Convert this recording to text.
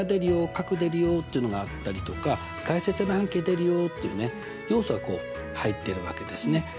角出るよっていうのがあったりとか外接円の半径出るよっていうね要素がこう入っているわけですね。